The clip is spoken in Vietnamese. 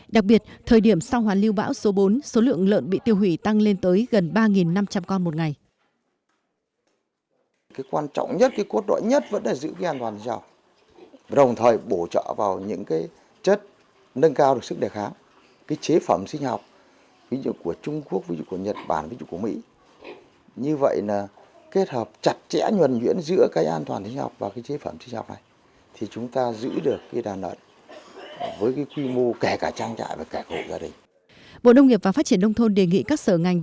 đặc biệt thời điểm sau hoàn lưu bão số bốn số lượng lợn bị tiêu hủy tăng lên tới gần ba năm trăm linh con một ngày